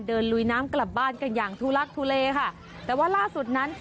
ลุยน้ำกลับบ้านกันอย่างทุลักทุเลค่ะแต่ว่าล่าสุดนั้น